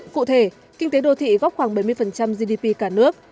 cụ thể kinh tế đô thị góp khoảng bảy mươi gdp cả nước